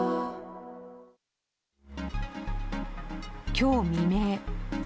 今日未明。